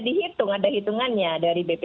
dihitung ada hitungannya dari bp